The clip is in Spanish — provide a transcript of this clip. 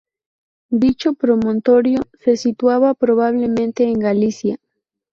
Dicho promontorio se situaba probablemente en Galicia.